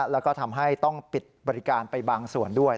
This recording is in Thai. แล้วก็ทำให้ต้องปิดบริการไปบางส่วนด้วย